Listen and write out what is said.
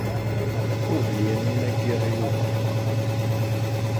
Tqubel Yamina n Yiɣil Ubeṛwaq.